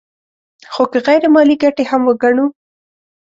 خو که غیر مالي ګټې هم وګڼو